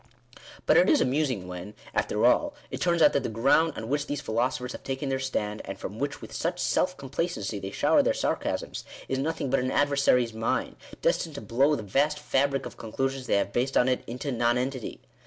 But it is amusing when, after all, it turns out that the ground on which these philosophers have taken their stand, and from which with such self complacency they shower their sarcasms, is nothing but an adversary's mine, destined to blow the vast fabric of conclusions they have based on it into nonen tity.